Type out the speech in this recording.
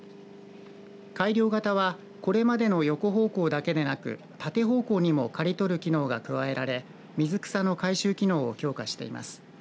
改良型はこれまでの横方向だけでなく縦方向にも刈り取る機能が加えられ水草の回収機能を強化しています。